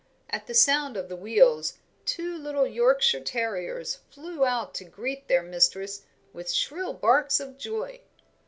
At the sound of the wheels two little Yorkshire terriers flew out to greet their mistress with shrill barks of joy.